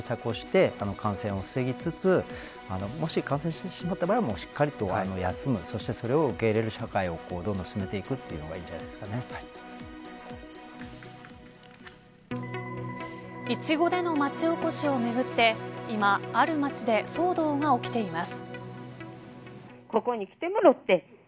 基本的な対策しかできないと思うんですけれどもしっかりと対策をして感染を防ぎつつもし感染してしまった場合はしっかりと休むそして、それを受け入れる社会を進めていくというのがイチゴでの町おこしをめぐって今ある町で騒動が起きています。